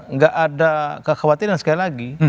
nggak ada kekhawatiran sekali lagi